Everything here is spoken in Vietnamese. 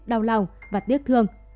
đau lòng và tiếc thương